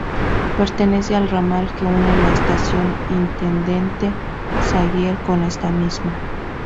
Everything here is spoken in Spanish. Pertenece al ramal que une la estación Intendente Saguier con esta misma.